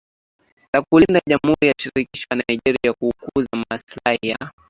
la kulinda Jamhuri ya Shirikisho ya Nigeria kukuza maslahi ya